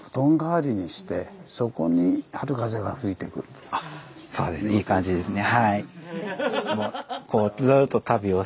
であっそうですねいい感じですね。